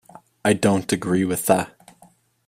I don't agree with tha.